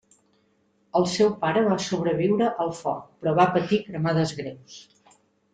El seu pare va sobreviure al foc però va patir cremades greus.